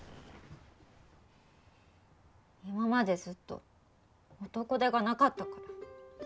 今までずっと男手がなかったから。